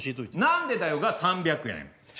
「何でだよ！」が３００円。